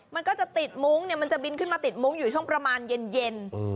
มันก็จะติดมุ้งเนี่ยมันจะบินขึ้นมาติดมุ้งอยู่ช่วงประมาณเย็น